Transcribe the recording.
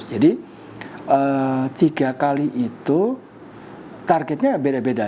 jadi tiga kali itu targetnya beda beda